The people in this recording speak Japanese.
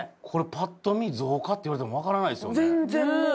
これパッと見造花って言われてもわからないですよね。